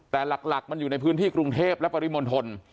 แต่หลักมันอยู่ในพื้นที่กรุงเทพและปริมณฑล